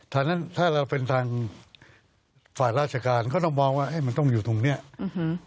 ทางนั้นถ้าเราเป็นทางฝ่ายราชการก็ต้องมองว่าเอ๊ะมันต้องอยู่ตรงเนี้ยอื้อหือ